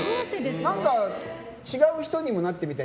違う人にもなってみたい。